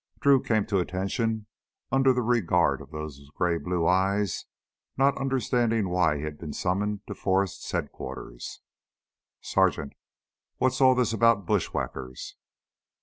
Drew came to attention under the regard of those gray blue eyes, not understanding why he had been summoned to Forrest's headquarters. "Sergeant, what's all this about bushwhackers?"